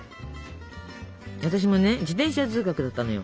私もね自転車通学だったのよ。